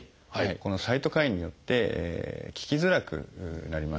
このサイトカインによって効きづらくなります。